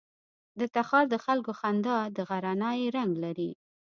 د تخار د خلکو خندا د غرنی رنګ لري.